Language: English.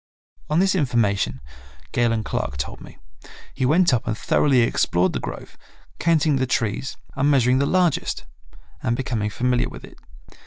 On this information, Galen Clark told me, he went up and thoroughly explored the grove, counting the trees and measuring the largest, and becoming familiar with it.